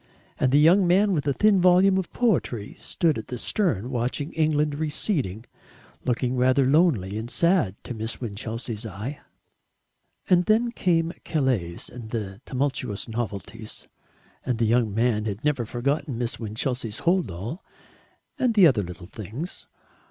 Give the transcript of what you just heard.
And the young man with the thin volume of poetry stood at the stern watching England receding, looking rather lonely and sad to Miss Winchelsea's eye. And then came Calais and tumultuous novelties, and the young man had not forgotten Miss Winchelsea's hold all and the other little things.